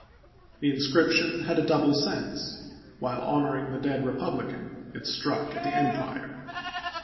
The inscription had a double sense ; while honoring the dead Eepublican, it struck at the Empire.